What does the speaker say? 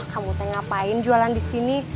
kamu ngapain jualan disini